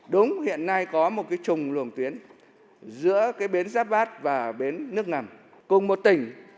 đúng hiện nay có một cái trùng luồng tuyến giữa cái bến giáp bát và bến nước ngầm cùng một tỉnh